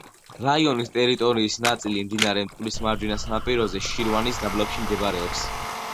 რაიონის ტერიტორიის ნაწილი მდინარე მტკვრის მარჯვენა სანაპიროზე, შირვანის დაბლობში მდებარეობს.